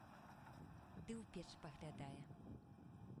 Ды ў печ паглядае.